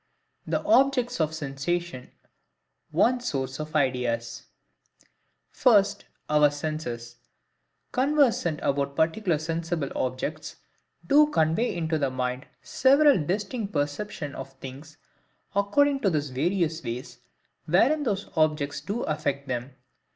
The Objects of Sensation one Source of Ideas First, our Senses, conversant about particular sensible objects, do convey into the mind several distinct perceptions of things, according to those various ways wherein those objects do affect them.